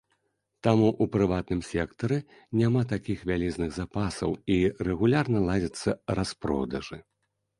Таму ў прыватным сектары няма такіх вялізных запасаў, і рэгулярна ладзяцца распродажы.